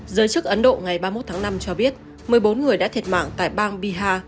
giới chức ấn độ ngày ba mươi một tháng năm cho biết một mươi bốn người đã thiệt mạng tại bang bihar